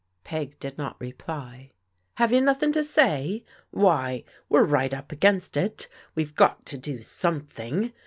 Peg did not reply. "Have you nothing to say? Why, we're right up against it. We've got to do something.